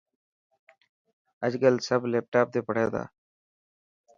اڄ ڪل سب ليپٽاپ تي پڙهي تا.